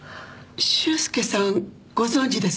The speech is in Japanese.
修介さんご存じですの？